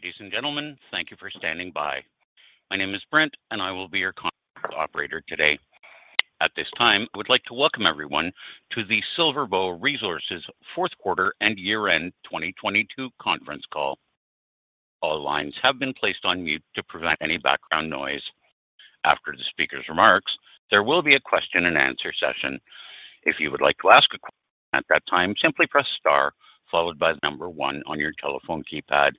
Ladies and gentlemen, thank you for standing by. My name is Brent, and I will be your con-operator today. At this time, I would like to welcome everyone to the SilverBow Resources fourth quarter and year-end 2022 conference call. All lines have been placed on mute to prevent any background noise. After the speaker's remarks, there will be a question-and-answer session. If you would like to ask a question at that time, simply press star followed by 1 on your telephone keypad.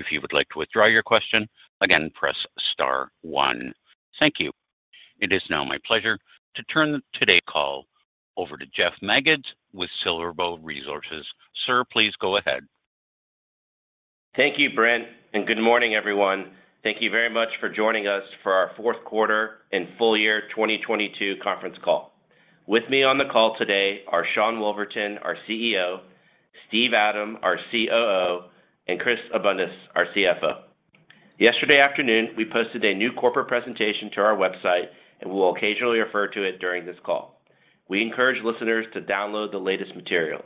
If you would like to withdraw your question, again, press star one. Thank you. It is now my pleasure to turn today's call over to Jeff Magids with SilverBow Resources. Sir, please go ahead. Thank you, Brent. Good morning, everyone. Thank you very much for joining us for our fourth quarter and full year 2022 conference call. With me on the call today are Sean Woolverton, our CEO, Steve Adam, our COO, and Christopher Abundis, our CFO. Yesterday afternoon, we posted a new corporate presentation to our website, and we'll occasionally refer to it during this call. We encourage listeners to download the latest materials.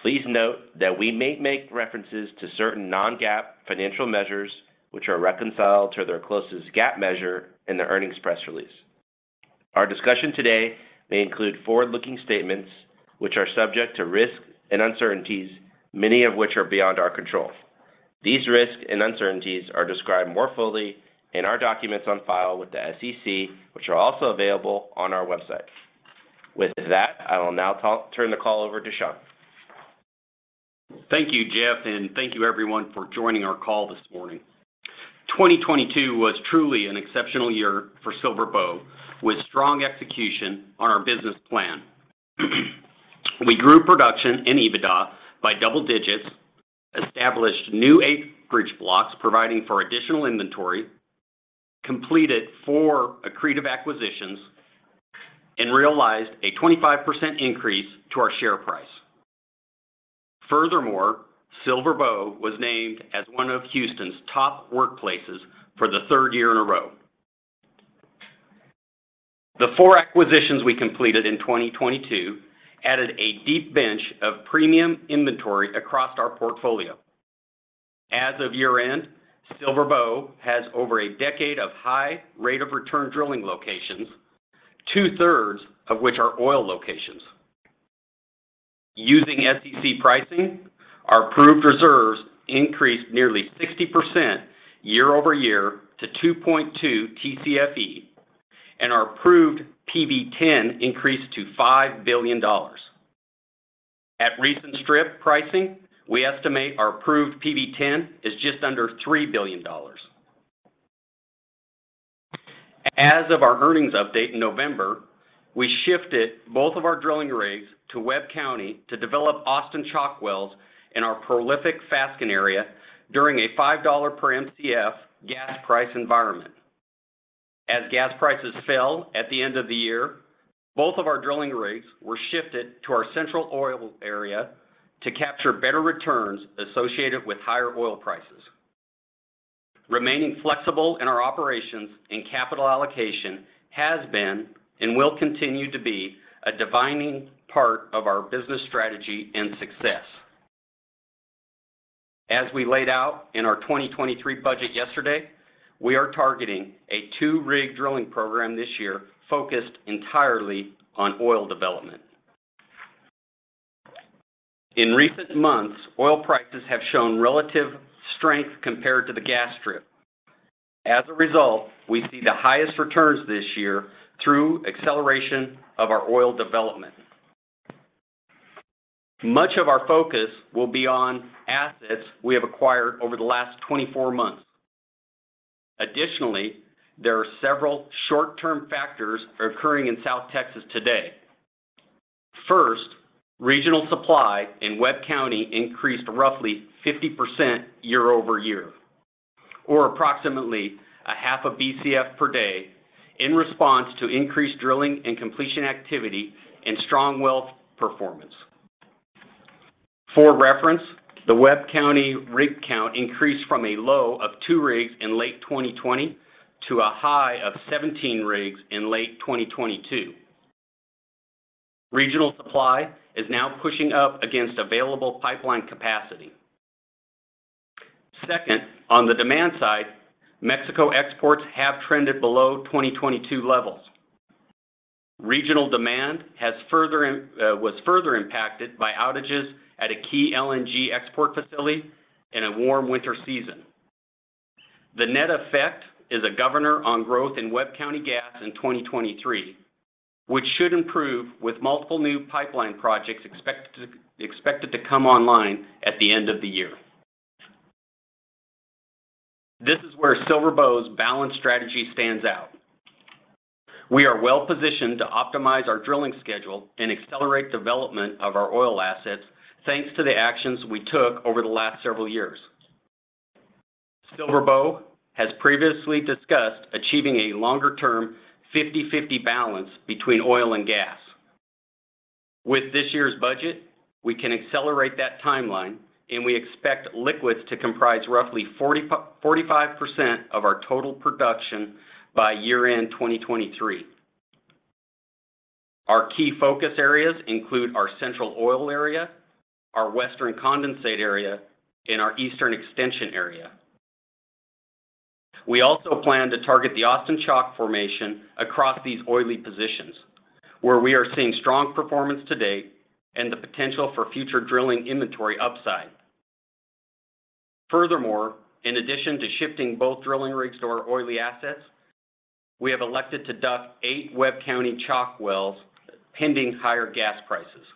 Please note that we may make references to certain non-GAAP financial measures, which are reconciled to their closest GAAP measure in the earnings press release. Our discussion today may include forward-looking statements, which are subject to risks and uncertainties, many of which are beyond our control. These risks and uncertainties are described more fully in our documents on file with the SEC, which are also available on our website. With that, I will now turn the call over to Sean. Thank you, Jeff. Thank you everyone for joining our call this morning. 2022 was truly an exceptional year for SilverBow with strong execution on our business plan. We grew production in EBITDA by double digits, established new acreage blocks providing for additional inventory, completed four accretive acquisitions, and realized a 25% increase to our share price. Furthermore, SilverBow was named as one of Houston's top workplaces for the third year in a row. The four acquisitions we completed in 2022 added a deep bench of premium inventory across our portfolio. As of year-end, SilverBow has over a decade of high rate of return drilling locations, two-thirds of which are oil locations. Using SEC pricing, our proved reserves increased nearly 60% year-over-year to 2.2 TCFE, and our proved PV-10 increased to $5 billion. At recent strip pricing, we estimate our proved PV-10 is just under $3 billion. As of our earnings update in November, we shifted both of our drilling rigs to Webb County to develop Austin Chalk wells in our prolific Fasken area during a $5 per MCF gas price environment. As gas prices fell at the end of the year, both of our drilling rigs were shifted to our central oil area to capture better returns associated with higher oil prices. Remaining flexible in our operations and capital allocation has been and will continue to be a defining part of our business strategy and success. As we laid out in our 2023 budget yesterday, we are targeting a 2-rig drilling program this year focused entirely on oil development. In recent months, oil prices have shown relative strength compared to the gas strip. We see the highest returns this year through acceleration of our oil development. Much of our focus will be on assets we have acquired over the last 24 months. There are several short-term factors occurring in South Texas today. Regional supply in Webb County increased roughly 50% year-over-year or approximately a half of BCF per day in response to increased drilling and completion activity and strong well performance. For reference, the Webb County rig count increased from a low of 2-rigs in late 2020 to a high of 17 rigs in late 2022. Regional supply is now pushing up against available pipeline capacity. On the demand side, Mexico exports have trended below 2022 levels. Regional demand has further impacted by outages at a key LNG export facility in a warm winter season. The net effect is a governor on growth in Webb County gas in 2023, which should improve with multiple new pipeline projects expected to come online at the end of the year. This is where SilverBow's balanced strategy stands out. We are well-positioned to optimize our drilling schedule and accelerate development of our oil assets thanks to the actions we took over the last several years. SilverBow has previously discussed achieving a longer-term 50/50 balance between oil and gas. With this year's budget, we can accelerate that timeline, and we expect liquids to comprise roughly 45% of our total production by year-end 2023. Our key focus areas include our central oil area, our western condensate area, and our eastern extension area. We also plan to target the Austin Chalk formation across these oily positions, where we are seeing strong performance to date and the potential for future drilling inventory upside. Furthermore, in addition to shifting both drilling rigs to our oily assets, we have elected to DUC eight Webb County Chalk wells pending higher gas prices.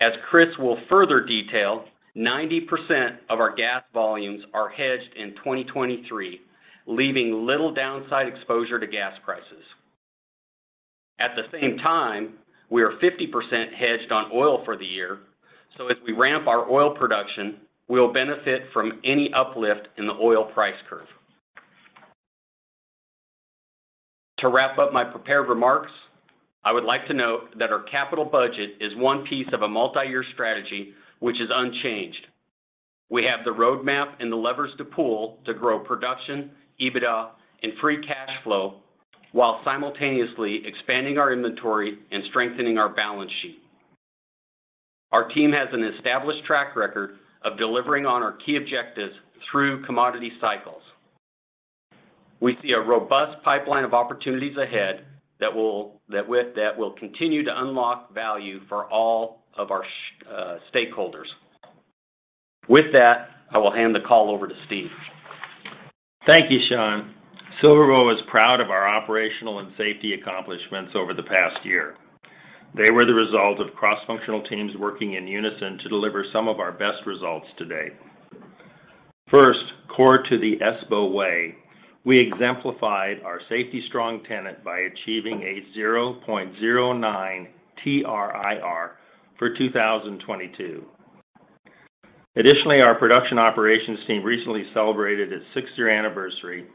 As Chris will further detail, 90% of our gas volumes are hedged in 2023, leaving little downside exposure to gas prices. At the same time, we are 50% hedged on oil for the year, so as we ramp our oil production, we will benefit from any uplift in the oil price curve. To wrap up my prepared remarks, I would like to note that our capital budget is one piece of a multi-year strategy which is unchanged. We have the roadmap and the levers to pull to grow production, EBITDA, and free cash flow while simultaneously expanding our inventory and strengthening our balance sheet. Our team has an established track record of delivering on our key objectives through commodity cycles. We see a robust pipeline of opportunities ahead that with that, will continue to unlock value for all of our stakeholders. With that, I will hand the call over to Steve. Thank you, Sean. SilverBow is proud of our operational and safety accomplishments over the past year. They were the result of cross-functional teams working in unison to deliver some of our best results to date. First, core to the SBW way, we exemplified our safety strong tenet by achieving a 0.09 TRIR for 2022. Additionally, our production operations team recently celebrated its 6th-year anniversary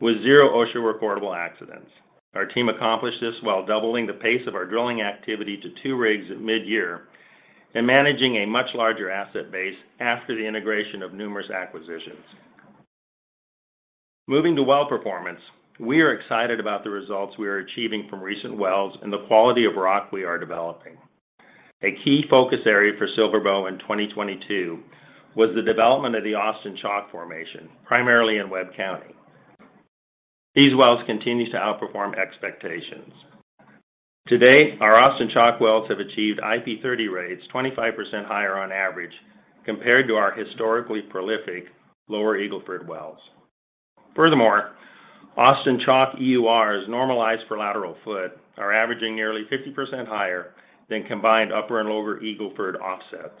with zero OSHA-recordable accidents. Our team accomplished this while doubling the pace of our drilling activity to 2 rigs at mid-year and managing a much larger asset base after the integration of numerous acquisitions. Moving to well performance, we are excited about the results we are achieving from recent wells and the quality of rock we are developing. A key focus area for SilverBow in 2022 was the development of the Austin Chalk formation, primarily in Webb County. These wells continue to outperform expectations. To date, our Austin Chalk wells have achieved IP30 rates 25% higher on average compared to our historically prolific Lower Eagle Ford wells. Austin Chalk EURs normalized for lateral foot are averaging nearly 50% higher than combined Upper and Lower Eagle Ford offsets.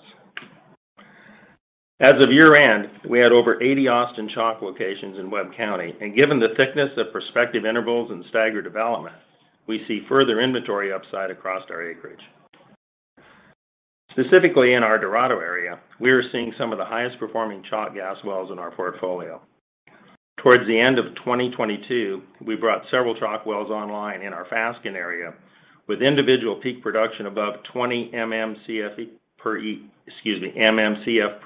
As of year-end, we had over 80 Austin Chalk locations in Webb County. Given the thickness of prospective intervals and staggered development, we see further inventory upside across our acreage. Specifically in our Dorado area, we are seeing some of the highest performing Chalk gas wells in our portfolio. Towards the end of 2022, we brought several Chalk wells online in our Fasken area with individual peak production above 20 MMCF per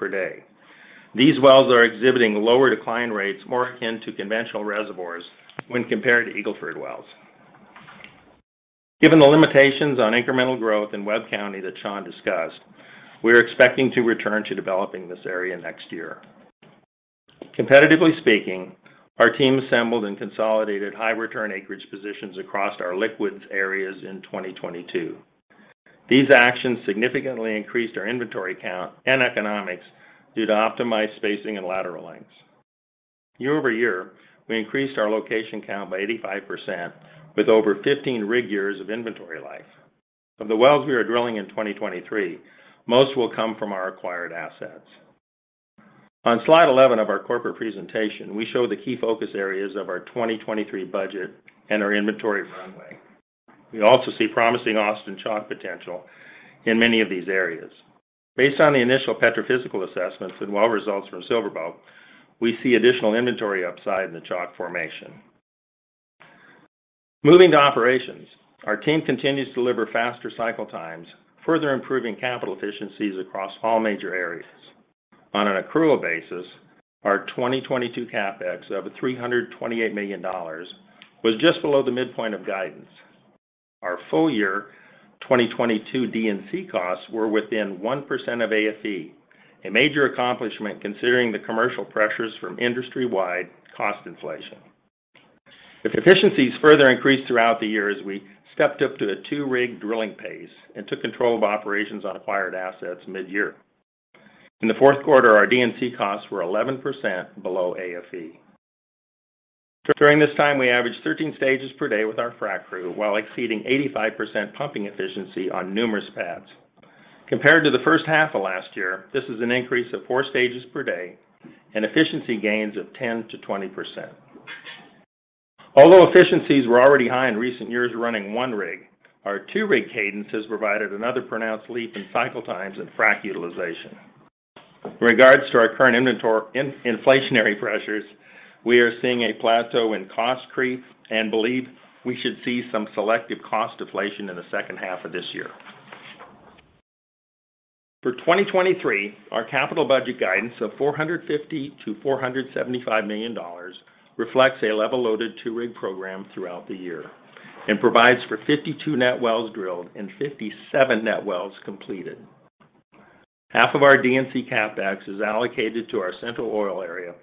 day. These wells are exhibiting lower decline rates more akin to conventional reservoirs when compared to Eagle Ford wells. Given the limitations on incremental growth in Webb County that Sean discussed, we're expecting to return to developing this area next year. Competitively speaking, our team assembled and consolidated high return acreage positions across our liquids areas in 2022. These actions significantly increased our inventory count and economics due to optimized spacing and lateral lengths. Year-over-year, we increased our location count by 85% with over 15 rig years of inventory life. Of the wells we are drilling in 2023, most will come from our acquired assets. On slide 11 of our corporate presentation, we show the key focus areas of our 2023 budget and our inventory runway. We also see promising Austin Chalk potential in many of these areas. Based on the initial petrophysical assessments and well results from SilverBow, we see additional inventory upside in the Chalk formation. Moving to operations, our team continues to deliver faster cycle times, further improving capital efficiencies across all major areas. On an accrual basis, our 2022 CapEx of $328 million was just below the midpoint of guidance. Our full year 2022 D&C costs were within 1% of AFE, a major accomplishment considering the commercial pressures from industry-wide cost inflation. The efficiencies further increased throughout the year as we stepped up to the 2-rig drilling pace and took control of operations on acquired assets mid-year. In the 4th quarter, our D&C costs were 11% below AFE. During this time, we averaged 13 stages per day with our frac crew while exceeding 85% pumping efficiency on numerous pads. Compared to the first half of last year, this is an increase of four stages per day and efficiency gains of 10%-20%. Although efficiencies were already high in recent years running 1 rig, our two-rig cadence has provided another pronounced leap in cycle times and frac utilization. In regards to our current inflationary pressures, we are seeing a plateau in cost creep and believe we should see some selective cost deflation in the second half of this year. For 2023, our capital budget guidance of $450 million-$475 million reflects a level loaded 2 rig program throughout the year and provides for 52 net wells drilled and 57 net wells completed. Half of our D&C CapEx is allocated to our central oil area,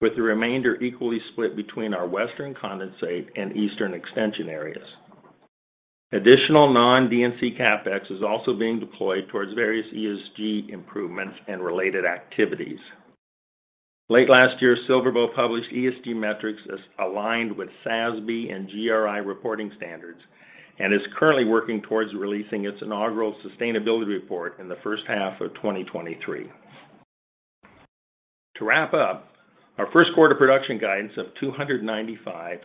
with the remainder equally split between our Western condensate and Eastern extension areas. Additional non-D&C CapEx is also being deployed towards various ESG improvements and related activities. Late last year, SilverBow published ESG metrics as aligned with SASB and GRI reporting standards and is currently working towards releasing its inaugural sustainability report in the first half of 2023. Our first quarter production guidance of 295-316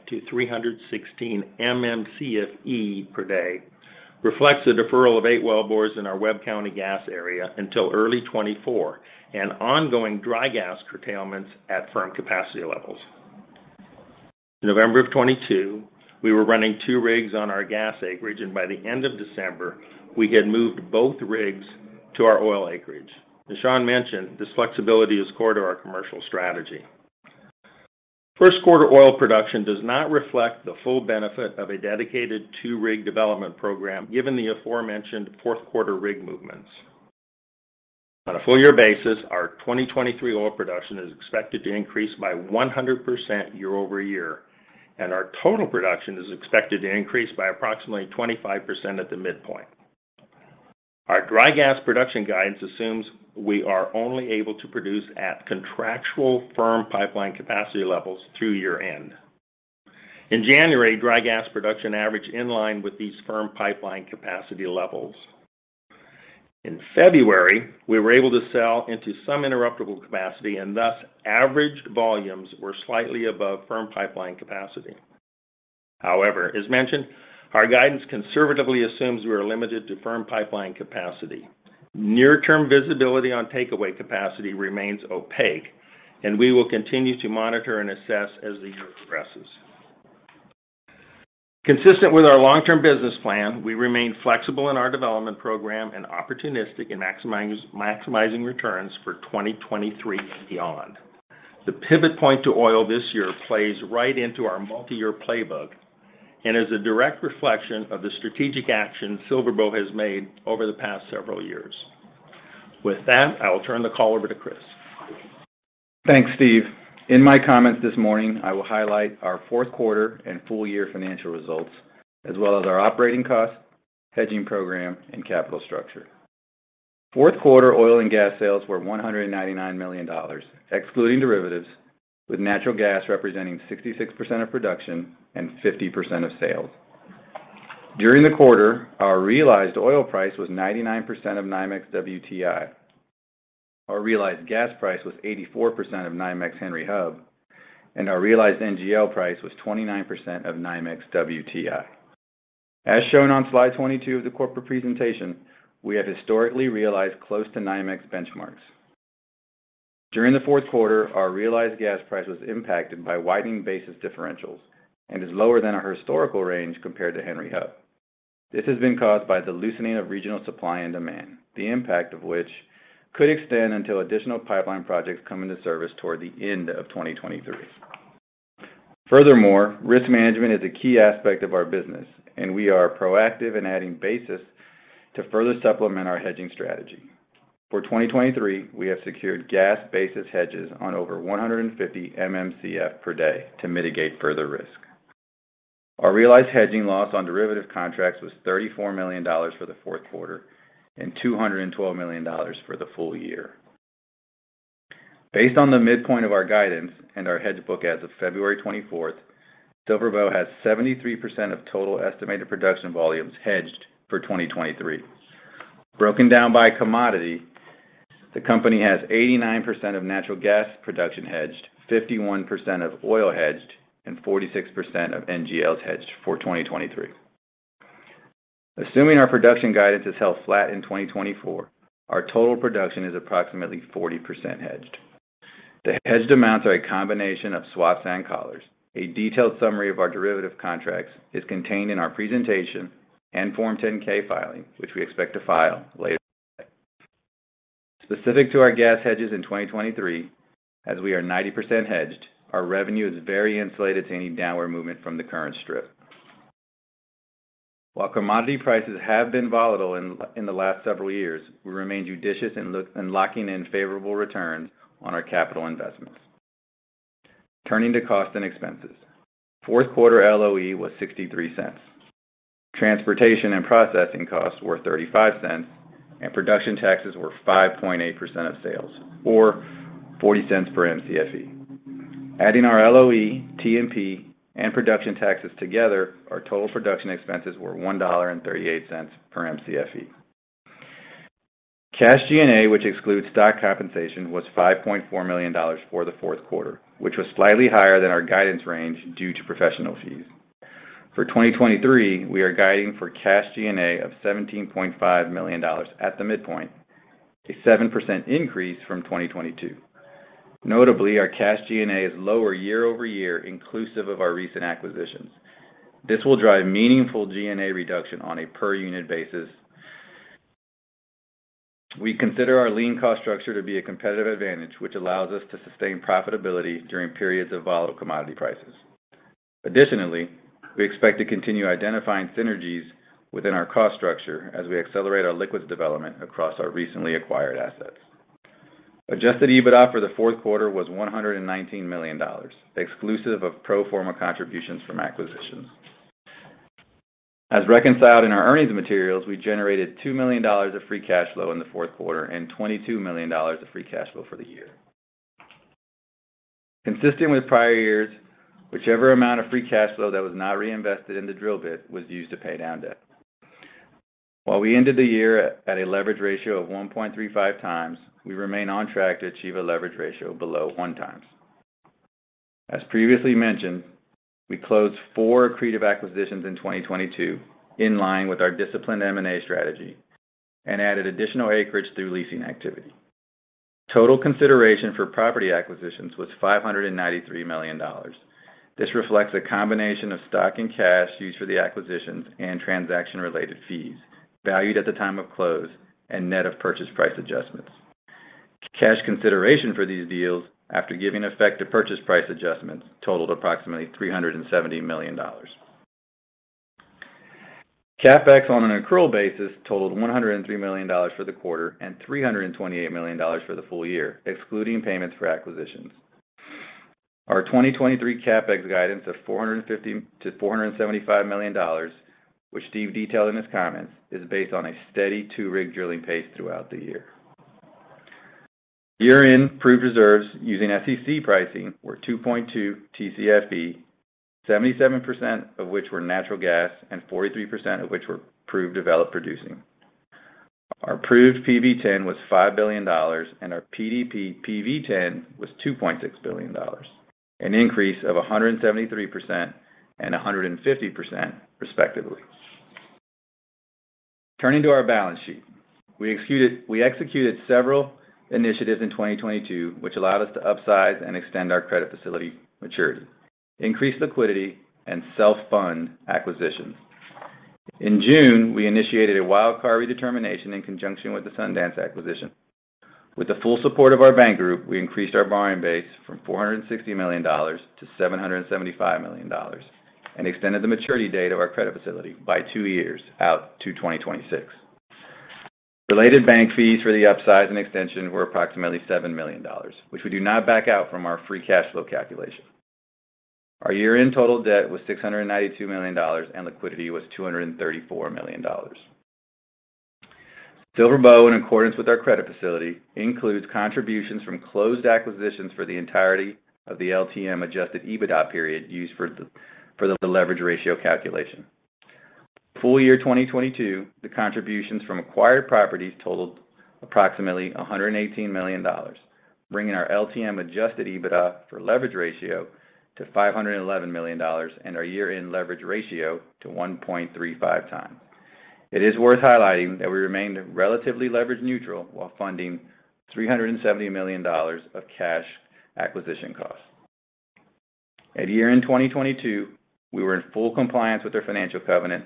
MMCFE per day reflects the deferral of 8 wellbores in our Webb County gas area until early 2024 and ongoing dry gas curtailments at firm capacity levels. In November of 2022, we were running 2 rigs on our gas acreage, and by the end of December, we had moved both rigs to our oil acreage. As Sean mentioned, this flexibility is core to our commercial strategy. First quarter oil production does not reflect the full benefit of a dedicated 2 rig development program, given the aforementioned fourth quarter rig movements. On a full year basis, our 2023 oil production is expected to increase by 100% year-over-year. Our total production is expected to increase by approximately 25% at the midpoint. Our dry gas production guidance assumes we are only able to produce at contractual firm pipeline capacity levels through year-end. In January, dry gas production averaged in line with these firm pipeline capacity levels. In February, we were able to sell into some interruptible capacity and thus averaged volumes were slightly above firm pipeline capacity. As mentioned, our guidance conservatively assumes we are limited to firm pipeline capacity. Near term visibility on takeaway capacity remains opaque and we will continue to monitor and assess as the year progresses. Consistent with our long term business plan, we remain flexible in our development program and opportunistic in maximizing returns for 2023 and beyond. The pivot point to oil this year plays right into our multi-year playbook and is a direct reflection of the strategic action SilverBow has made over the past several years. With that, I will turn the call over to Chris. Thanks, Steve. In my comments this morning, I will highlight our fourth quarter and full year financial results, as well as our operating costs, hedging program, and capital structure. Fourth quarter oil and gas sales were $199 million, excluding derivatives, with natural gas representing 66% of production and 50% of sales. During the quarter, our realized oil price was 99% of NYMEX WTI. Our realized gas price was 84% of NYMEX Henry Hub, and our realized NGL price was 29% of NYMEX WTI. As shown on slide 22 of the corporate presentation, we have historically realized close to NYMEX benchmarks. During the fourth quarter, our realized gas price was impacted by widening basis differentials and is lower than our historical range compared to Henry Hub. This has been caused by the loosening of regional supply and demand, the impact of which could extend until additional pipeline projects come into service toward the end of 2023. Furthermore, risk management is a key aspect of our business, and we are proactive in adding basis to further supplement our hedging strategy. For 2023, we have secured gas basis hedges on over 150 MMCF per day to mitigate further risk. Our realized hedging loss on derivative contracts was $34 million for the fourth quarter and $212 million for the full year. Based on the midpoint of our guidance and our hedge book as of February 24th, SilverBow has 73% of total estimated production volumes hedged for 2023. Broken down by commodity, the company has 89% of natural gas production hedged, 51% of oil hedged, and 46% of NGLs hedged for 2023. Assuming our production guidance is held flat in 2024, our total production is approximately 40% hedged. The hedged amounts are a combination of swaps and collars. A detailed summary of our derivative contracts is contained in our presentation and Form 10-K filing, which we expect to file later today. Specific to our gas hedges in 2023, as we are 90% hedged, our revenue is very insulated to any downward movement from the current strip. While commodity prices have been volatile in the last several years, we remain judicious in locking in favorable returns on our capital investments. Turning to costs and expenses. Fourth quarter LOE was $0.63. Transportation and processing costs were $0.35, and production taxes were 5.8% of sales, or $0.40 per Mcfe. Adding our LOE, T&P, and production taxes together, our total production expenses were $1.38 per Mcfe. Cash G&A, which excludes stock compensation, was $5.4 million for the 4th quarter, which was slightly higher than our guidance range due to professional fees. For 2023, we are guiding for cash G&A of $17.5 million at the midpoint, a 7% increase from 2022. Notably, our cash G&A is lower year-over-year inclusive of our recent acquisitions. This will drive meaningful G&A reduction on a per unit basis. We consider our lean cost structure to be a competitive advantage, which allows us to sustain profitability during periods of volatile commodity prices. Additionally, we expect to continue identifying synergies within our cost structure as we accelerate our liquids development across our recently acquired assets. Adjusted EBITDA for the fourth quarter was $119 million, exclusive of pro forma contributions from acquisitions. As reconciled in our earnings materials, we generated $2 million of free cash flow in the fourth quarter and $22 million of free cash flow for the year. Consistent with prior years, whichever amount of free cash flow that was not reinvested in the drill bit was used to pay down debt. While we ended the year at a leverage ratio of 1.35x, we remain on track to achieve a leverage ratio below 1x. As previously mentioned, we closed four accretive acquisitions in 2022, in line with our disciplined M&A strategy, and added additional acreage through leasing activity. Total consideration for property acquisitions was $593 million. This reflects a combination of stock and cash used for the acquisitions and transaction-related fees valued at the time of close and net of purchase price adjustments. Cash consideration for these deals, after giving effect to purchase price adjustments, totaled approximately $370 million. CapEx on an accrual basis totaled $103 million for the quarter and $328 million for the full year, excluding payments for acquisitions. Our 2023 CapEx guidance of $450 million-$475 million, which Steve detailed in his comments, is based on a steady two-rig drilling pace throughout the year. Year-end proved reserves using SEC pricing were 2.2 TCFE, 77% of which were natural gas and 43% of which were proved developed producing. Our proved PV-10 was $5 billion and our PDP PV-10 was $2.6 billion, an increase of 173% and 150% respectively. Turning to our balance sheet. We executed several initiatives in 2022, which allowed us to upsize and extend our credit facility maturity, increase liquidity, and self-fund acquisitions. In June, we initiated a wildcard redetermination in conjunction with the Sundance acquisition. With the full support of our bank group, we increased our borrowing base from $460 million to $775 million and extended the maturity date of our credit facility by two years out to 2026. Related bank fees for the upsize and extension were approximately $7 million, which we do not back out from our free cash flow calculation. Our year-end total debt was $692 million. Liquidity was $234 million. SilverBow, in accordance with our credit facility, includes contributions from closed acquisitions for the entirety of the LTM adjusted EBITDA period used for the leverage ratio calculation. Full year 2022, the contributions from acquired properties totaled approximately $118 million, bringing our LTM adjusted EBITDA for leverage ratio to $511 million and our year-end leverage ratio to 1.35 times. It is worth highlighting that we remained relatively leverage neutral while funding $370 million of cash acquisition costs. At year-end 2022, we were in full compliance with our financial covenant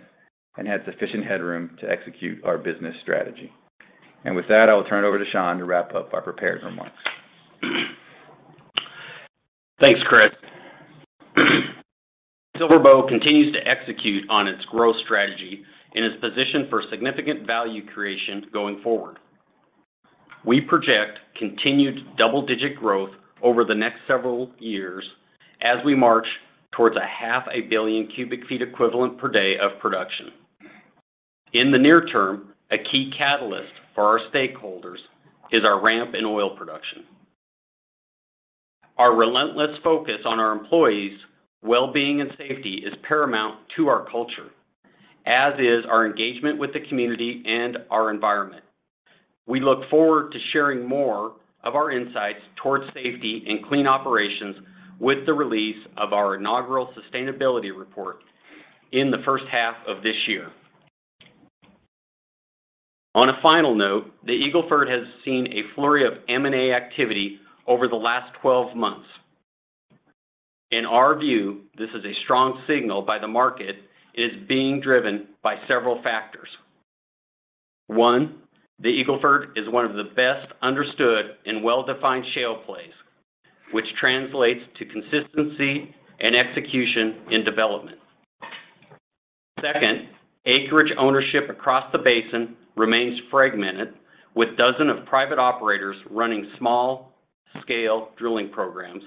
and had sufficient headroom to execute our business strategy. With that, I will turn it over to Sean to wrap up our prepared remarks. Thanks, Christopher. SilverBow continues to execute on its growth strategy and is positioned for significant value creation going forward. We project continued double-digit growth over the next several years as we march towards a half a billion cubic feet equivalent per day of production. In the near term, a key catalyst for our stakeholders is our ramp in oil production. Our relentless focus on our employees' well-being and safety is paramount to our culture, as is our engagement with the community and our environment. We look forward to sharing more of our insights towards safety and clean operations with the release of our inaugural sustainability report in the first half of this year. On a final note, the Eagle Ford has seen a flurry of M&A activity over the last 12 months. In our view, this is a strong signal by the market is being driven by several factors. One, the Eagle Ford is one of the best understood and well-defined shale plays, which translates to consistency and execution in development. Second, acreage ownership across the basin remains fragmented, with dozens of private operators running small scale drilling programs,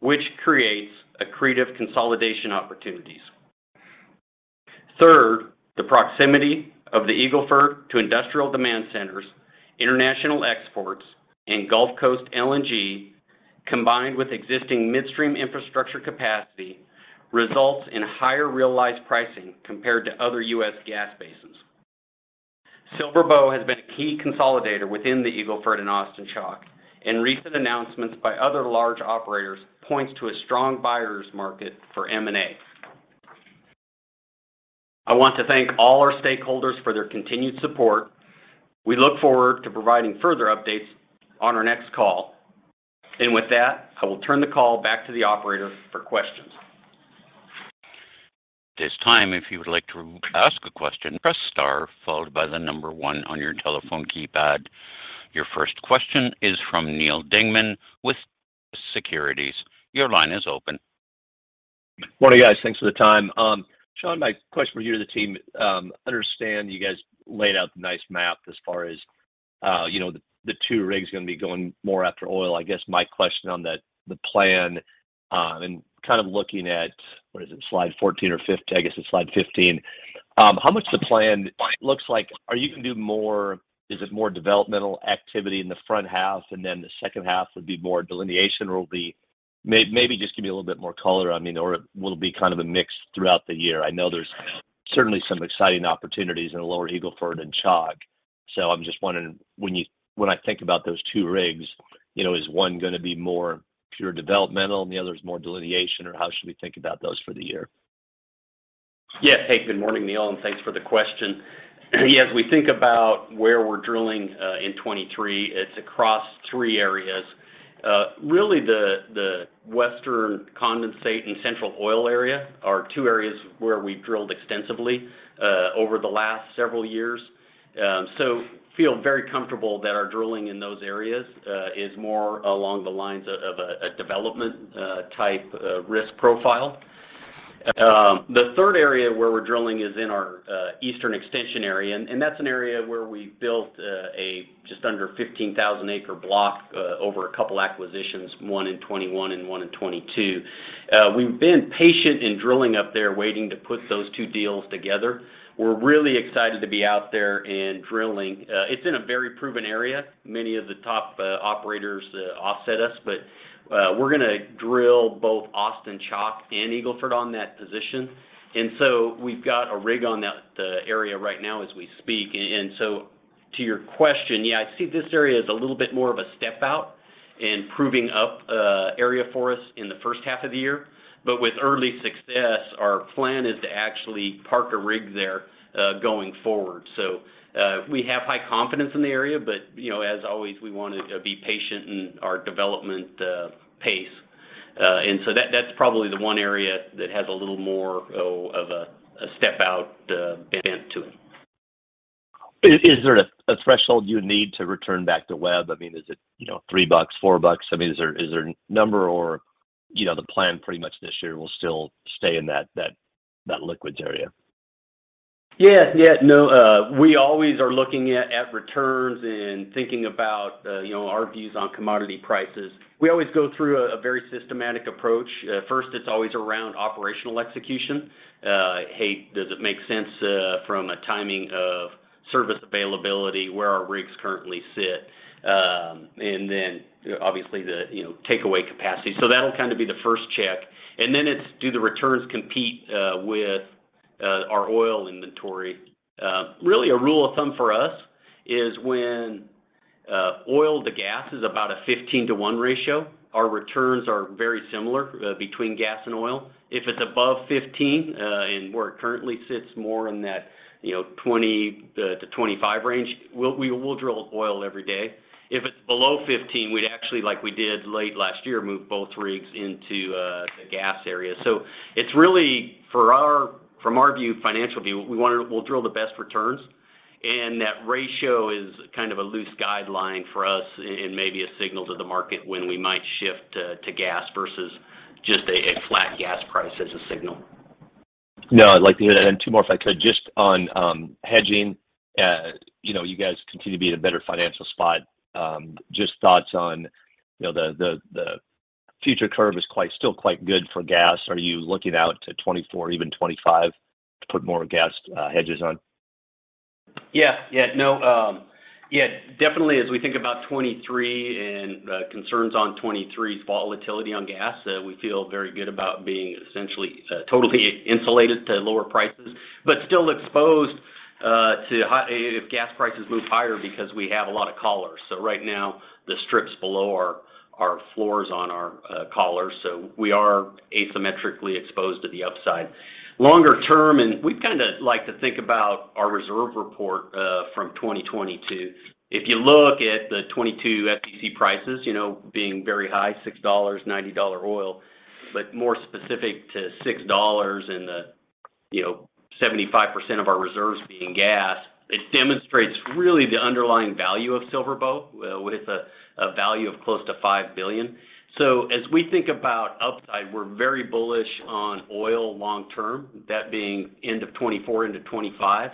which creates accretive consolidation opportunities. Third, the proximity of the Eagle Ford to industrial demand centers, international exports, and Gulf Coast LNG, combined with existing midstream infrastructure capacity, results in higher realized pricing compared to other US gas basins. SilverBow has been a key consolidator within the Eagle Ford and Austin Chalk, and recent announcements by other large operators points to a strong buyers market for M&A. I want to thank all our stakeholders for their continued support. We look forward to providing further updates on our next call. With that, I will turn the call back to the operator for questions. At this time, if you would like to ask a question, press star followed by one on your telephone keypad. Your first question is from Neal Dingman with Truist Securities. Your line is open. Morning, guys. Thanks for the time. Sean, my question for you to the team, understand you guys laid out the nice map as far as, you know, the 2 rigs gonna be going more after oil. I guess my question on that, the plan, and kind of looking at, what is it? Slide 14 or 15. I guess it's slide 15. How much the plan looks like? Is it more developmental activity in the front half, and then the second half would be more delineation, or maybe just give me a little bit more color. I mean, or will it be kind of a mix throughout the year? I know there's certainly some exciting opportunities in the Lower Eagle Ford and Chalk. I'm just wondering, when I think about those 2 rigs, you know, is one gonna be more pure developmental and the other is more delineation, or how should we think about those for the year? Hey, good morning, Neal, and thanks for the question. As we think about where we're drilling in 2023, it's across three areas. Really the Western condensate and central oil area are two areas where we've drilled extensively over the last several years. Feel very comfortable that our drilling in those areas is more along the lines of a development type risk profile. The third area where we're drilling is in our Eastern extension area, that's an area where we built a just under 15,000 acre block over a couple acquisitions, one in 2021 and one in 2022. We've been patient in drilling up there, waiting to put those two deals together. We're really excited to be out there and drilling. It's in a very proven area. Many of the top operators offset us, but we're gonna drill both Austin Chalk and Eagle Ford on that position. We've got a rig on that area right now as we speak. To your question, yeah, I see this area as a little bit more of a step out and proving up area for us in the first half of the year. With early success, our plan is to actually park a rig there going forward. We have high confidence in the area, but, you know, as always, we wanna be patient in our development pace. That's probably the one area that has a little more of a step out bent to it. Is there a threshold you need to return back to WTI? I mean, is it, you know, $3, $4? I mean, is there a number or, you know, the plan pretty much this year will still stay in that liquids area? Yeah. Yeah. We always are looking at returns and thinking about, you know, our views on commodity prices. We always go through a very systematic approach. First, it's always around operational execution. Hey, does it make sense from a timing of service availability where our rigs currently sit? Then, obviously the, you know, takeaway capacity. That'll kind of be the first check. Then it's do the returns compete with our oil inventory? Really a rule of thumb for us is when oil to gas is about a 15 to 1 ratio, our returns are very similar between gas and oil. If it's above 15, and where it currently sits more in that, you know, 20-25 range, we will drill oil every day. If it's below 15, we'd actually, like we did late last year, move both rigs into the gas area. It's really from our view, financial view, we'll drill the best returns, and that ratio is kind of a loose guideline for us and maybe a signal to the market when we might shift to gas versus just a flat gas price as a signal. No, I'd like to hear that. Two more if I could. Just on, hedging, you know, you guys continue to be in a better financial spot. Just thoughts on, you know, the future curve is quite... still quite good for gas. Are you looking out to 2024 or even 2025 to put more gas hedges on? Yeah. No, yeah, definitely as we think about 2023 and concerns on 2023 volatility on gas, we feel very good about being essentially totally insulated to lower prices, but still exposed to high if gas prices move higher because we have a lot of collars. Right now the strips below are floors on our collars, so we are asymmetrically exposed to the upside. Longer term, we kinda like to think about our reserve report from 2022. If you look at the 2022 SEC prices, you know, being very high, $6, $90 oil, but more specific to $6 and the, you know, 75% of our reserves being gas, it demonstrates really the underlying value of SilverBow with a value of close to $5 billion. As we think about upside, we're very bullish on oil long term, that being end of 2024 into 2025.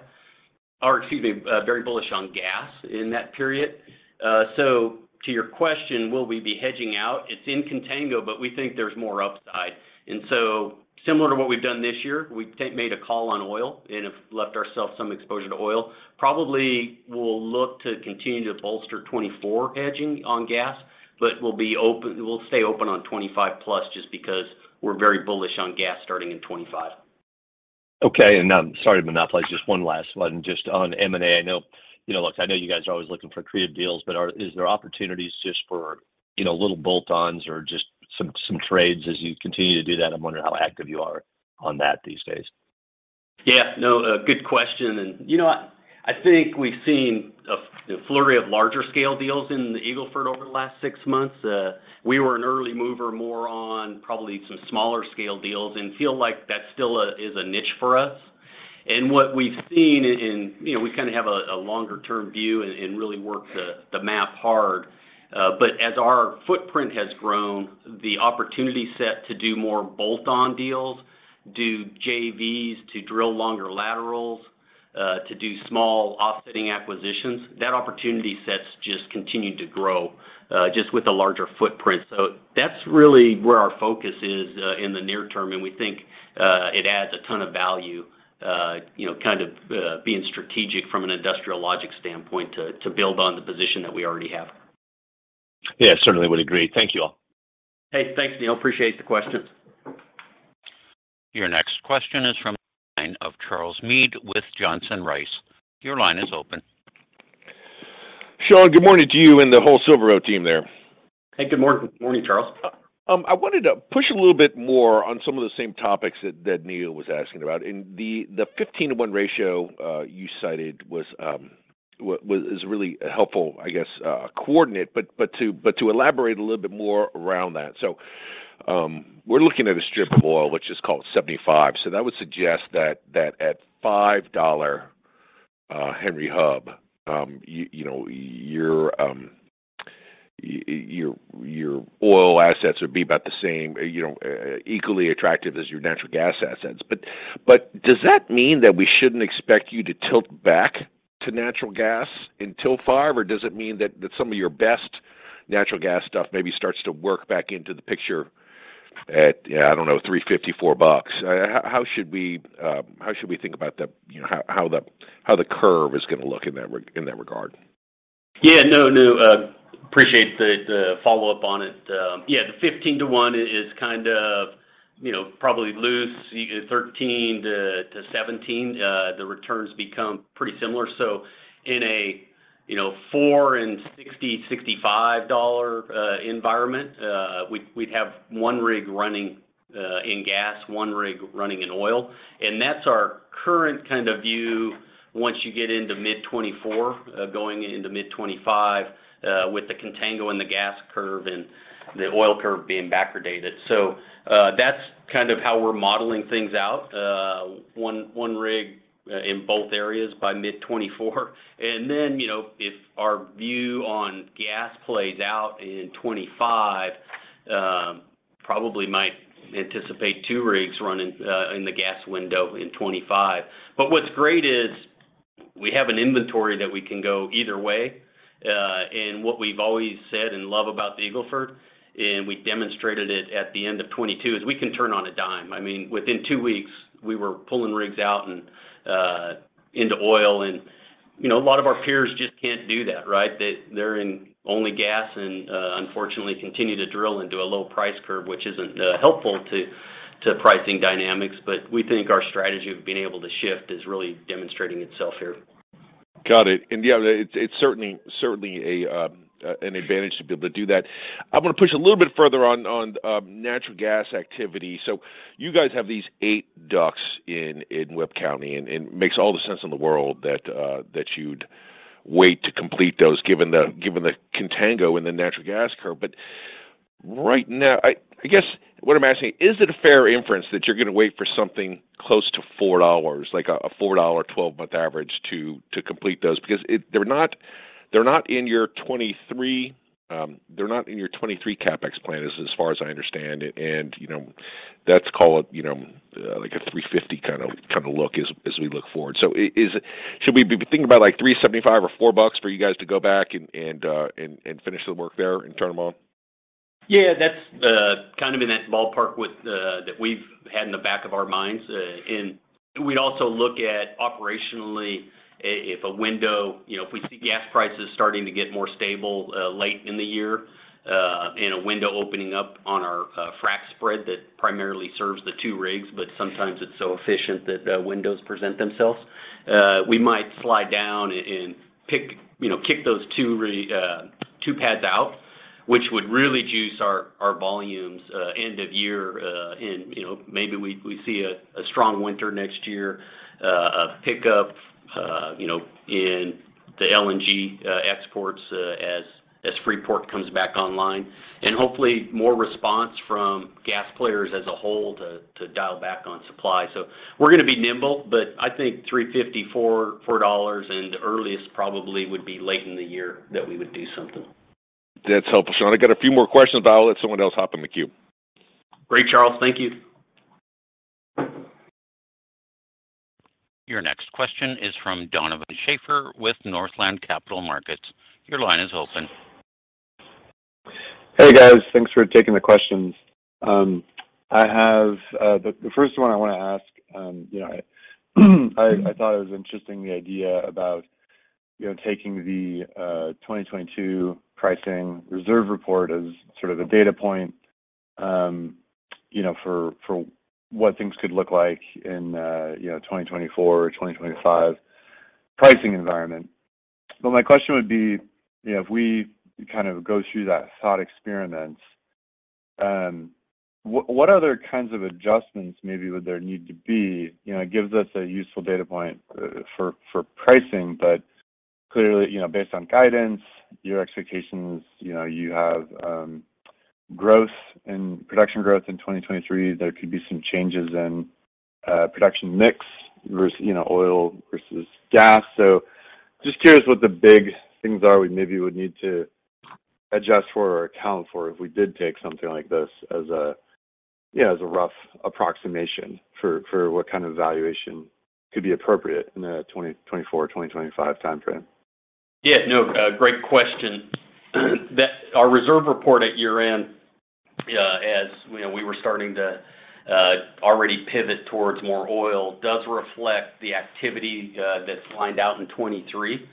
Or excuse me, very bullish on gas in that period. To your question, will we be hedging out? It's in contango. We think there's more upside. Similar to what we've done this year, we made a call on oil and have left ourselves some exposure to oil. Probably we'll look to continue to bolster 2024 hedging on gas. We'll stay open on 2025 plus just because we're very bullish on gas starting in 2025. Okay. Sorry to monopolize. Just one last one just on M&A. I know, you know, look, I know you guys are always looking for creative deals, but is there opportunities just for, you know, little bolt-ons or just some trades as you continue to do that? I'm wondering how active you are on that these days. Yeah, no, a good question. You know what? I think we've seen a flurry of larger scale deals in the Eagle Ford over the last 6 months. We were an early mover more on probably some smaller scale deals and feel like that still is a niche for us. What we've seen. You know, we kind of have a longer term view and really work the map hard. As our footprint has grown, the opportunity set to do more bolt-on deals, do JVs to drill longer laterals, to do small offsetting acquisitions, that opportunity sets just continue to grow just with a larger footprint. That's really where our focus is, in the near term, and we think, it adds a ton of value, you know, kind of, being strategic from an industrial logic standpoint to build on the position that we already have. Yeah, certainly would agree. Thank you all. Hey, thanks, Neal. Appreciate the question. Your next question is from the line of Charles Meade with Johnson Rice. Your line is open. Sean, good morning to you and the whole SilverBow team there. Hey, good morning. Good morning, Charles. I wanted to push a little bit more on some of the same topics that Neal was asking about. The 15 to 1 ratio you cited was really helpful, I guess, coordinate. To elaborate a little bit more around that. We're looking at a strip of oil, which is called 75. That would suggest that at $5 Henry Hub, your oil assets would be about the same, equally attractive as your natural gas assets. Does that mean that we shouldn't expect you to tilt back to natural gas until $5? Does it mean that some of your best natural gas stuff maybe starts to work back into the picture at $3.50, $4? How should we think about the, you know, how the curve is gonna look in that regard? Yeah, no. Appreciate the follow-up on it. Yeah, the 15 to 1 is kind of, you know, probably loose. 13 to 17, the returns become pretty similar. In a, you know, $4 and $60-$65 environment, we'd have 1 rig running in gas, 1 rig running in oil. That's our current kind of view once you get into mid-2024, going into mid-2025, with the contango in the gas curve and the oil curve being backwardated. That's kind of how we're modeling things out. 1 rig in both areas by mid-2024. You know, if our view on gas plays out in 2025, probably might anticipate 2 rigs running in the gas window in 2025. What's great is we have an inventory that we can go either way. What we've always said and love about the Eagle Ford, and we demonstrated it at the end of 2022, is we can turn on a dime. I mean, within 2 weeks, we were pulling rigs out and into oil, and, you know, a lot of our peers just can't do that, right? They're in only gas and unfortunately continue to drill into a low price curve, which isn't helpful to pricing dynamics. We think our strategy of being able to shift is really demonstrating itself here. Got it. Yeah, it's certainly a an advantage to be able to do that. I wanna push a little bit further on natural gas activity. You guys have these 8 DUCs in Webb County, and it makes all the sense in the world that you'd wait to complete those given the contango in the natural gas curve. Right now... I guess what I'm asking, is it a fair inference that you're gonna wait for something close to $4, like a $4 12-month average to complete those? They're not in your 2023, they're not in your 2023 CapEx plan as far as I understand it. You know, that's called, you know, like a $3.50 kinda look as we look forward. Should we be thinking about like $3.75 or $4 for you guys to go back and finish the work there and turn them on? Yeah, that's kind of in that ballpark with that we've had in the back of our minds. And we'd also look at operationally if a window, you know, if we see gas prices starting to get more stable late in the year, and a window opening up on our frack spread that primarily serves the 2 rigs, but sometimes it's so efficient that windows present themselves, we might slide down and pick, you know, kick those 2 pads out, which would really juice our volumes end of year. And, you know, maybe we see a strong winter next year, a pickup, you know, in the LNG exports, as Freeport LNG comes back online. Hopefully more response from gas players as a whole to dial back on supply. We're gonna be nimble, but I think $3.54, $4 and earliest probably would be late in the year that we would do something. That's helpful, Sean. I got a few more questions, but I'll let someone else hop in the queue. Great, Charles. Thank you. Your next question is from Donovan Schafer with Northland Capital Markets. Your line is open. Hey, guys. Thanks for taking the questions. I have the first one I wanna ask, you know, I thought it was interesting the idea about, you know, taking the 2022 pricing reserve report as sort of a data point, you know, for what things could look like in, you know, 2024 or 2025 pricing environment. But my question would be, you know, if we kind of go through that thought experiment, what other kinds of adjustments maybe would there need to be? You know, it gives us a useful data point for pricing, but clearly, you know, based on guidance, your expectations, you know, you have growth and production growth in 2023. There could be some changes in production mix versus, you know, oil versus gas. Just curious what the big things are we maybe would need to adjust for or account for if we did take something like this as a, yeah, as a rough approximation for what kind of valuation could be appropriate in a 2024, 2025 timeframe. Yeah, no, great question. That-- Our reserve report at year-end, as, you know, we were starting to already pivot towards more oil, does reflect the activity that's lined out in 2023.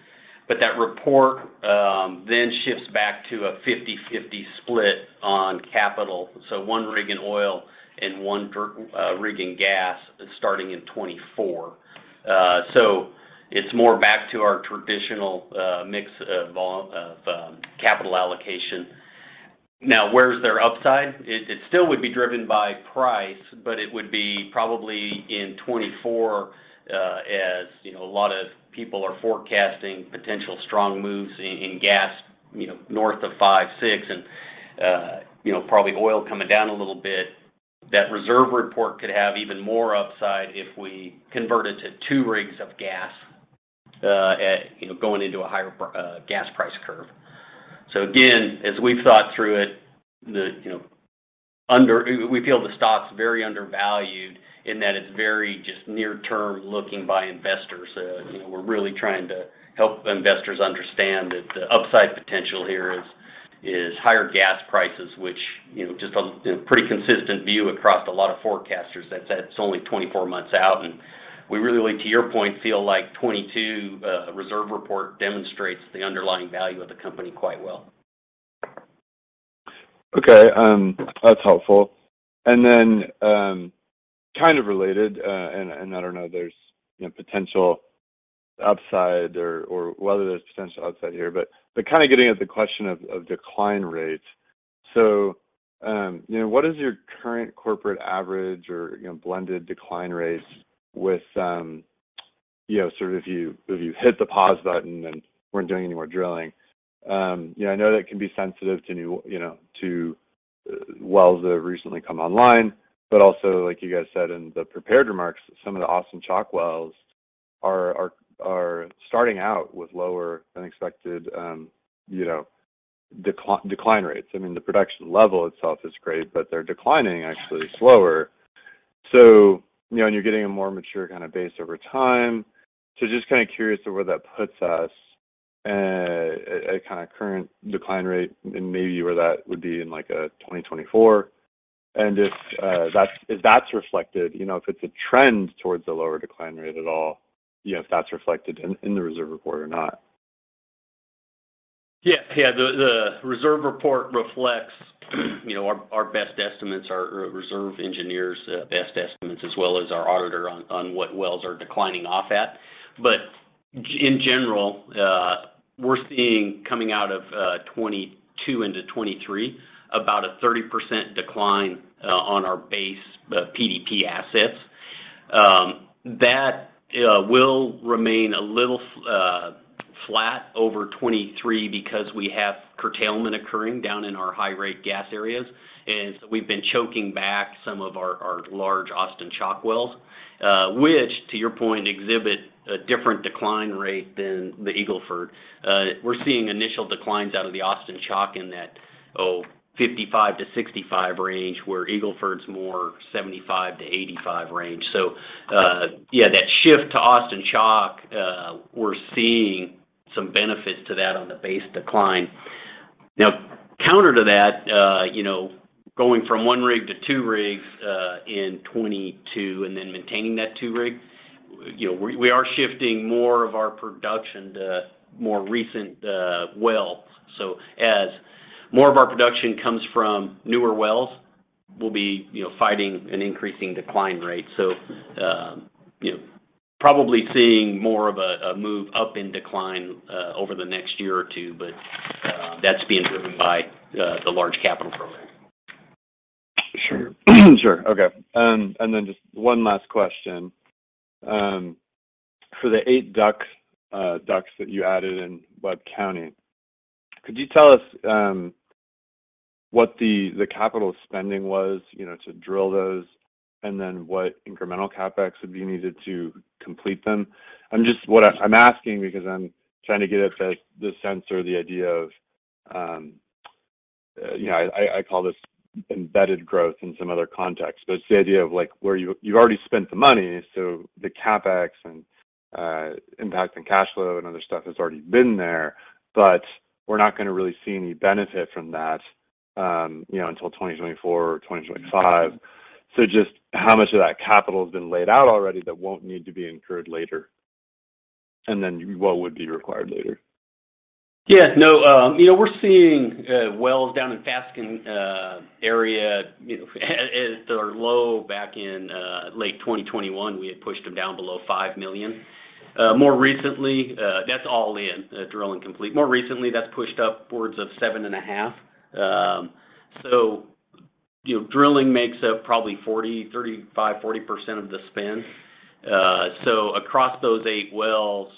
That report then shifts back to a 50/50 split on capital, so 1 rig in oil and 1 rig in gas starting in 2024. It's more back to our traditional mix of capital allocation. Now, where is their upside? It still would be driven by price, it would be probably in 2024, as you know, a lot of people are forecasting potential strong moves in gas, you know, north of $5, $6, and you know, probably oil coming down a little bit. That reserve report could have even more upside if we converted to 2 rigs of gas, at, you know, going into a higher gas price curve. Again, as we've thought through it, you know, We feel the stock's very undervalued in that it's very just near term looking by investors. You know, we're really trying to help investors understand that the upside potential here is higher gas prices, which, you know, just a, you know, pretty consistent view across a lot of forecasters. That's only 24 months out, and we really, to your point, feel like 2022 reserve report demonstrates the underlying value of the company quite well. Okay, that's helpful. Then, kind of related, and I don't know there's, you know, potential upside or whether there's potential upside here, but kinda getting at the question of decline rates. You know, what is your current corporate average or, you know, blended decline rates with, you know, sort of if you, if you hit the pause button and weren't doing any more drilling? You know, I know that can be sensitive to new, you know, to wells that have recently come online. Also, like you guys said in the prepared remarks, some of the Austin Chalk wells are starting out with lower than expected, you know, decline rates. I mean, the production level itself is great, but they're declining actually slower. You know, and you're getting a more mature kinda base over time. Just kinda curious to where that puts us, at kinda current decline rate and maybe where that would be in like, 2024. If that's reflected, you know, if it's a trend towards the lower decline rate at all, you know, if that's reflected in the reserve report or not. Yeah. Yeah. The reserve report reflects, you know, our best estimates, our reserve engineers' best estimates, as well as our auditor on what wells are declining off at. In general, we're seeing coming out of 2022 into 2023 about a 30% decline on our base PDP assets. That will remain a little flat over 2023 because we have curtailment occurring down in our high rate gas areas. We've been choking back some of our large Austin Chalk wells, which to your point exhibit a different decline rate than the Eagle Ford. We're seeing initial declines out of the Austin Chalk in that 55%-65% range, where Eagle Ford's more 75%-85% range. Yeah, that shift to Austin Chalk, we're seeing some benefits to that on the base decline. Now, counter to that, you know, going from 1 rig to 2 rigs in 2022 and then maintaining that 2 rigs, you know, we are shifting more of our production to more recent wells. As more of our production comes from newer wells, we'll be, you know, fighting an increasing decline rate. You know, probably seeing more of a move up in decline over the next year or two. That's being driven by the large capital program. Sure. Sure. Okay. Just one last question. For the 8 DUCs that you added in Webb County, could you tell us what the capital spending was, you know, to drill those, and then what incremental CapEx would be needed to complete them? I'm asking because I'm trying to get at the sense or the idea of, you know, I call this embedded growth in some other contexts, but it's the idea of like, where you've already spent the money, so the CapEx and impact in cash flow and other stuff has already been there. We're not gonna really see any benefit from that, you know, until 2024 or 2025. Just how much of that capital has been laid out already that won't need to be incurred later, and then what would be required later? Yeah. No. You know, we're seeing wells down in Fasken area. You know, as they were low back in late 2021, we had pushed them down below $5 million. More recently, that's all in drill and complete. More recently, that's pushed upwards of $7.5 million. You know, drilling makes up probably 40%, 35%, 40% of the spend. Across those eight wells,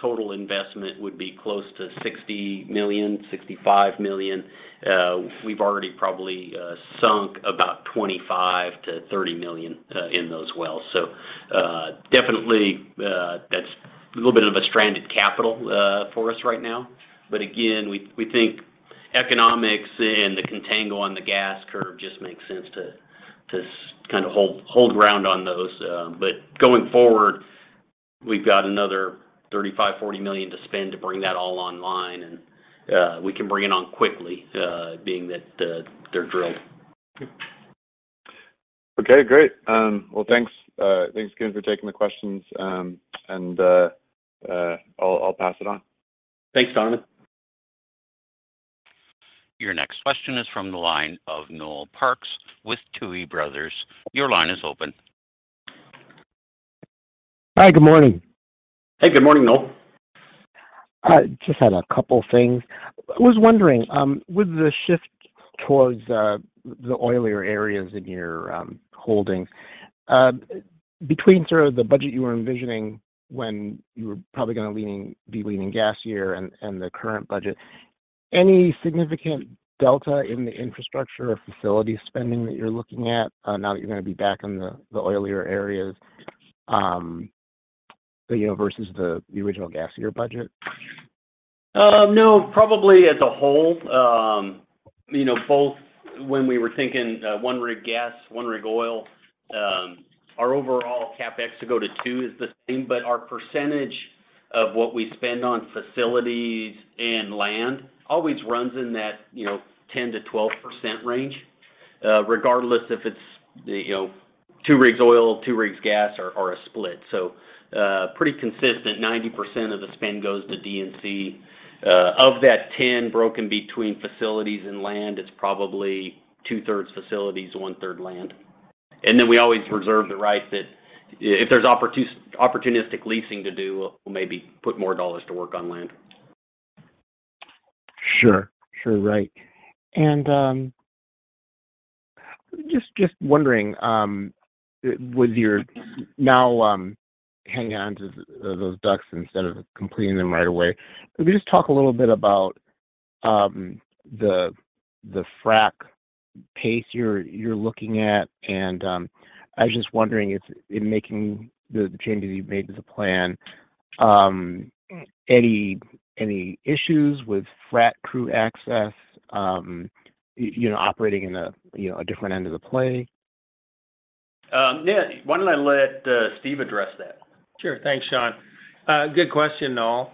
total investment would be close to $60 million-$65 million. We've already probably sunk about $25 million-$30 million in those wells. Definitely, that's a little bit of a stranded capital for us right now. Again, we think economics and the contango on the gas curve just makes sense to kind of hold ground on those. Going forward, we've got another $35, $40 million to spend to bring that all online and, we can bring it on quickly, being that, they're drilled. Okay, great. Well, thanks again for taking the questions. I'll pass it on. Thanks, Donovan. Your next question is from the line of Noel Parks with Tuohy Brothers. Your line is open. Hi, good morning. Hey, good morning, Noel. I just had a couple things. I was wondering, with the shift towards the oilier areas in your holdings, between sort of the budget you were envisioning when you were probably be leaning gas year and the current budget, any significant delta in the infrastructure or facility spending that you're looking at, now that you're gonna be back in the oilier areas, you know, versus the original gas year budget? No, probably as a whole, you know, both when we were thinking, 1 rig gas, 1 rig oil, our overall CapEx to go to two is the same, but our percentage of what we spend on facilities and land always runs in that, you know, 10%-12% range, regardless if it's, you know, 2 rigs oil, 2 rigs gas or a split. Pretty consistent, 90% of the spend goes to D&C. Of that 10 broken between facilities and land, it's probably 2/3 facilities, 1/3 land. We always reserve the right that if there's opportunistic leasing to do, we'll maybe put more dollars to work on land. Sure. Sure, right. Just wondering, with your now, hanging on to those DUCs instead of completing them right away, can we just talk a little bit about the frack pace you're looking at? I was just wondering if in making the changes you've made to the plan, any issues with frack crew access, you know, operating in a, you know, a different end of the play? Yeah. Why don't I let Steven address that? Sure. Thanks, Sean. Good question, Noel.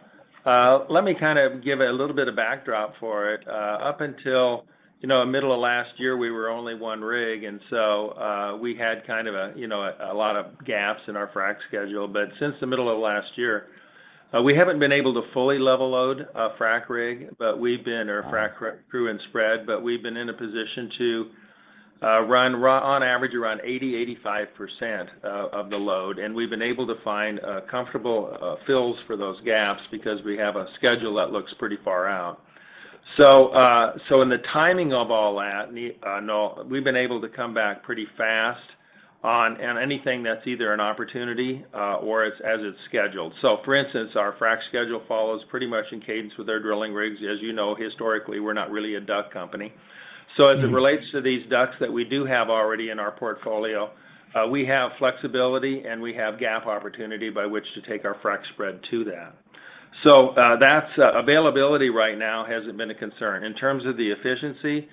Let me kind of give a little bit of backdrop for it. Up until, you know, middle of last year, we were only 1 rig, we had kind of a, you know, a lot of gaps in our frack schedule. Since the middle of last year, we haven't been able to fully level load a frack rig or a frack crew and spread, but we've been in a position to run on average around 80%-85% of the load, and we've been able to find comfortable fills for those gaps because we have a schedule that looks pretty far out. In the timing of all that, Noel, we've been able to come back pretty fast on... Anything that's either an opportunity, or as it's scheduled. For instance, our frack schedule follows pretty much in cadence with our drilling rigs. As you know, historically, we're not really a DUC company. As it relates to these DUCs that we do have already in our portfolio, we have flexibility, and we have gap opportunity by which to take our frack spread to that. That's, availability right now hasn't been a concern. In terms of the efficiency,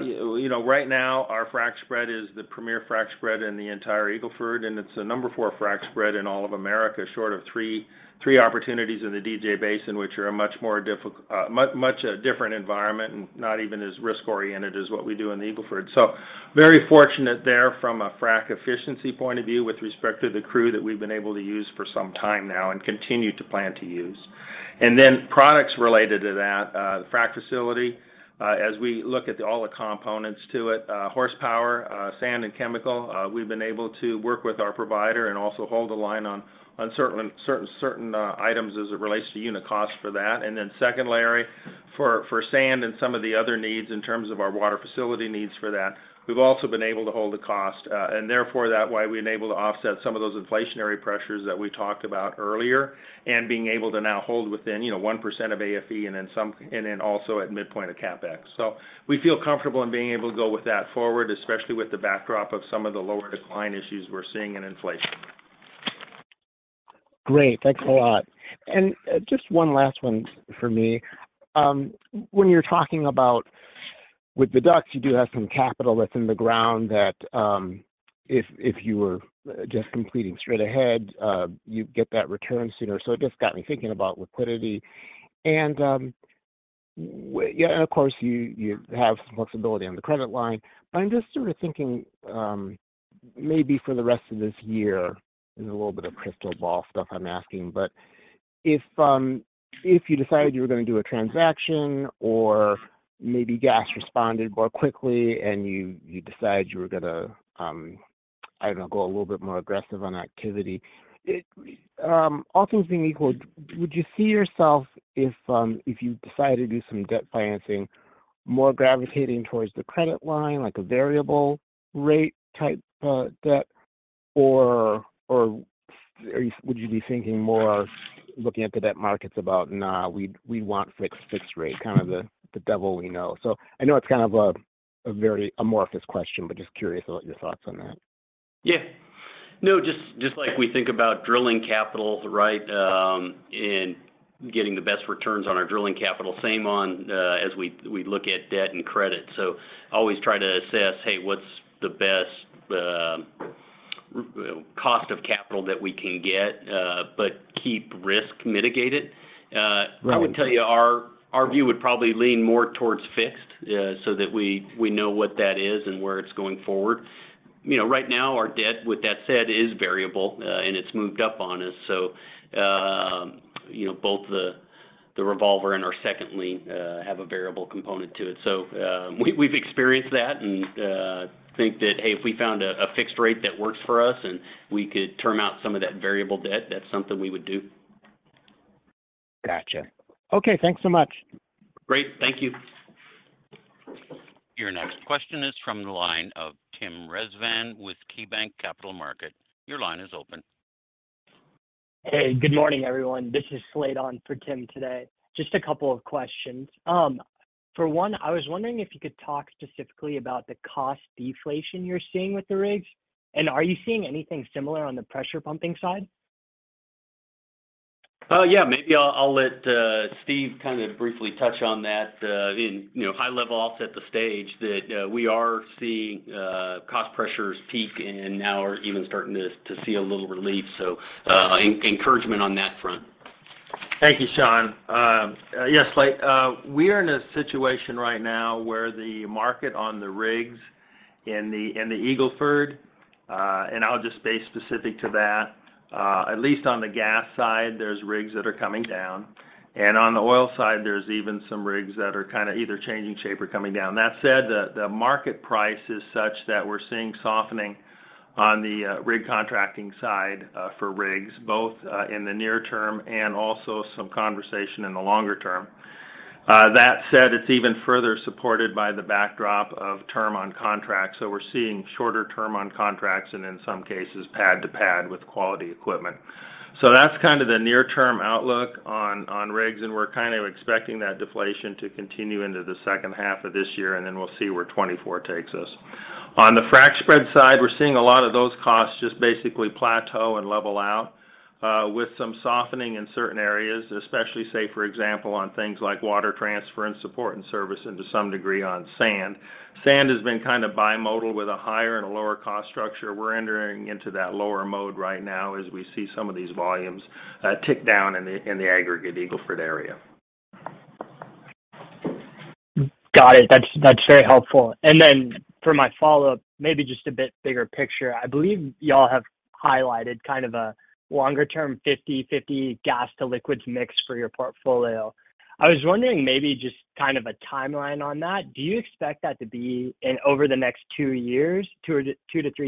you know, right now our frack spread is the premier frack spread in the entire Eagle Ford, and it's the number four frack spread in all of America, short of three opportunities in the DJ Basin, which are a much more different environment and not even as risk-oriented as what we do in the Eagle Ford. Very fortunate there from a frack efficiency point of view with respect to the crew that we've been able to use for some time now and continue to plan to use. Then products related to that, the frack facility, as we look at all the components to it, horsepower, sand and chemical, we've been able to work with our provider and also hold the line on certain items as it relates to unit cost for that. Then secondarily, for sand and some of the other needs in terms of our water facility needs for that, we've also been able to hold the cost. Therefore, that way we enable to offset some of those inflationary pressures that we talked about earlier and being able to now hold within, you know, 1% of AFE and then also at midpoint of CapEx. We feel comfortable in being able to go with that forward, especially with the backdrop of some of the lower decline issues we're seeing in inflation. Great. Thanks a lot. Just one last one for me. When you're talking about with the DUCs, you do have some capital that's in the ground that, if you were just completing straight ahead, you'd get that return sooner. It just got me thinking about liquidity. Yeah, of course, you have some flexibility on the credit line, but I'm just sort of thinking, maybe for the rest of this year, and a little bit of crystal ball stuff I'm asking, but. If you decided you were gonna do a transaction or maybe gas responded more quickly and you decide you were gonna, I don't know, go a little bit more aggressive on activity, it... All things being equal, would you see yourself, if you decide to do some debt financing, more gravitating towards the credit line, like a variable rate type debt? Or would you be thinking more looking at the debt markets about, "Nah, we want fixed rate," kind of the devil we know. I know it's kind of a very amorphous question, but just curious what your thoughts on that. Yeah. No, just like we think about drilling capital, right? Getting the best returns on our drilling capital, same on as we look at debt and credit. Always try to assess, hey, what's the best cost of capital that we can get, but keep risk mitigated. Right I would tell you our view would probably lean more towards fixed, so that we know what that is and where it's going forward. You know, right now our debt, with that said, is variable, and it's moved up on us. You know, both the revolver and our second lien have a variable component to it. We've experienced that and think that, hey, if we found a fixed rate that works for us and we could term out some of that variable debt, that's something we would do. Gotcha. Okay, thanks so much. Great. Thank you. Your next question is from the line of Tim Rezvan with KeyBanc Capital Markets. Your line is open. Hey, good morning, everyone. This is Slade on for Tim today. Just a couple of questions. For one, I was wondering if you could talk specifically about the cost deflation you're seeing with the rigs, and are you seeing anything similar on the pressure pumping side? Yeah. Maybe I'll let Steven kind of briefly touch on that. You know, high level, I'll set the stage that we are seeing cost pressures peak and now are even starting to see a little relief. Encouragement on that front. Thank you, Sean. Yeah, Slade, we are in a situation right now where the market on the rigs in the Eagle Ford. I'll just stay specific to that. At least on the gas side, there's rigs that are coming down, and on the oil side, there's even some rigs that are kinda either changing shape or coming down. That said, the market price is such that we're seeing softening on the rig contracting side for rigs, both in the near term and also some conversation in the longer term. That said, it's even further supported by the backdrop of term on contracts. We're seeing shorter term on contracts and in some cases pad to pad with quality equipment. That's kind of the near term outlook on rigs, and we're kind of expecting that deflation to continue into the second half of this year, and then we'll see where 2024 takes us. On the frac spread side, we're seeing a lot of those costs just basically plateau and level out with some softening in certain areas, especially, say for example, on things like water transfer and support and service and to some degree on sand. Sand has been kind of bimodal with a higher and a lower cost structure. We're entering into that lower mode right now as we see some of these volumes tick down in the, in the aggregate Eagle Ford area. Got it. That's very helpful. Then for my follow-up, maybe just a bit bigger picture, I believe y'all have highlighted kind of a longer term 50/50 gas to liquids mix for your portfolio. I was wondering maybe just kind of a timeline on that. Do you expect that to be in over the next two years, 2-3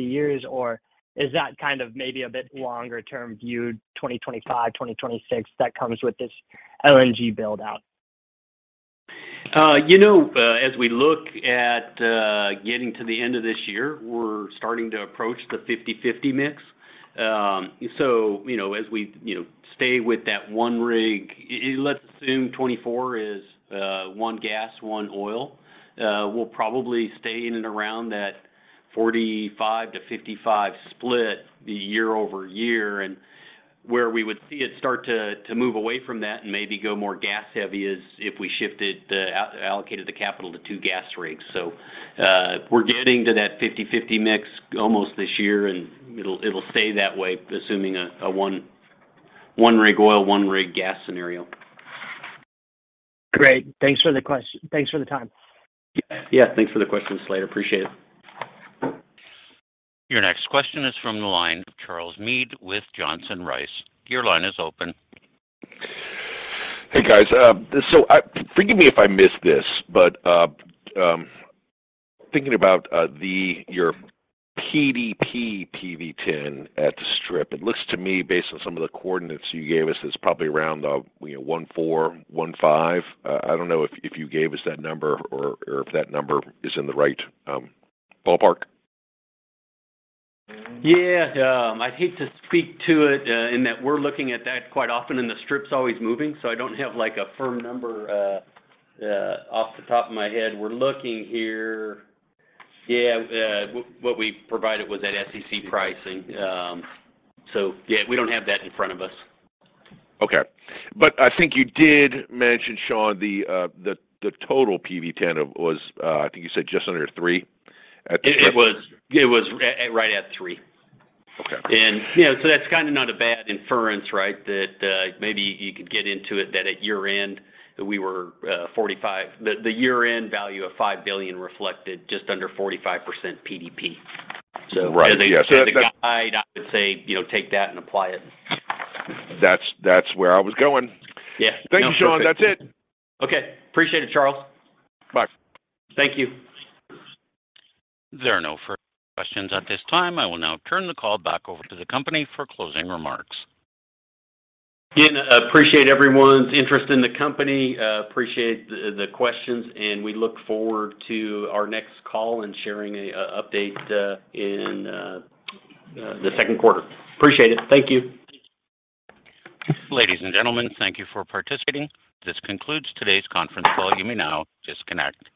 years, or is that kind of maybe a bit longer term viewed, 2025, 2026, that comes with this LNG build-out? You know, as we look at getting to the end of this year, we're starting to approach the 50/50 mix. You know, as we, you know, stay with that 1 rig, let's assume 2024 is one gas, one oil. We'll probably stay in and around that 45-55 split year-over-year. Where we would see it start to move away from that and maybe go more gas heavy is if we allocated the capital to two gas rigs. We're getting to that 50/50 mix almost this year, and it'll stay that way assuming a 1 rig oil, 1 rig gas scenario. Great. Thanks for the time. Yeah. Thanks for the question, Slade. Appreciate it. Your next question is from the line of Charles Meade with Johnson Rice. Your line is open. Hey, guys. Forgive me if I missed this, but thinking about your PDP PV-10 at the strip, it looks to me, based on some of the coordinates you gave us, it's probably around, you know, $1.4, $1.5. I don't know if you gave us that number or if that number is in the right ballpark. Yeah. I'd hate to speak to it, in that we're looking at that quite often and the strip's always moving, so I don't have, like, a firm number off the top of my head. We're looking here. Yeah, what we provided was that SEC pricing. Yeah, we don't have that in front of us. Okay. I think you did mention, Sean, the total PV-10 was, I think you said just under three at the strip. It was at right at three. Okay. You know, that's kinda not a bad inference, right? That, maybe you could get into it that at year-end we were 45. The year-end value of $5 billion reflected just under 45% PDP. Right. Yeah. As a guide, I would say, you know, take that and apply it. That's where I was going. Yeah. No, perfect. Thank you, Sean. That's it. Okay. Appreciate it, Charles. Bye. Thank you. There are no further questions at this time. I will now turn the call back over to the company for closing remarks. Again, appreciate everyone's interest in the company. Appreciate the questions. We look forward to our next call and sharing a update in the second quarter. Appreciate it. Thank you. Ladies and gentlemen, thank you for participating. This concludes today's conference call. You may now disconnect.